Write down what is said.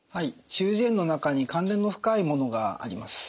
中耳炎の中に関連の深いものがあります。